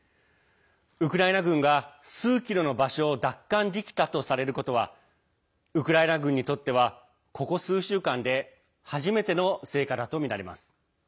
ウクライナ軍が数キロの場所を奪還できたとされることはウクライナ軍にとってはここ数週間で初めての成果だとみられます。